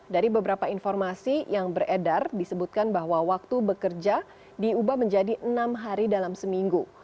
dari beberapa informasi yang beredar disebutkan bahwa waktu bekerja diubah menjadi enam hari dalam seminggu